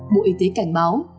bộ y tế cảnh báo